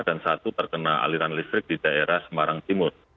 dan satu terkena aliran listrik di daerah semarang timur